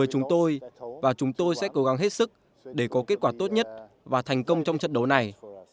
với chúng tôi và chúng tôi sẽ cố gắng hết sức để có kết quả tốt nhất và thành công trong trận đấu này